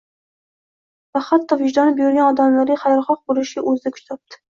va hatto vijdoni buyurgan odamlarga xayrixoh bo‘lishga o‘zida kuch topdi.